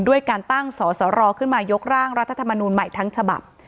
ด้วยการตั้งสอสรขึ้นมายกร่างรัฐธรรมนูลใหม่ทั้งฉบับ